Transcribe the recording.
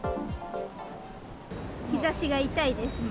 日ざしが痛いです。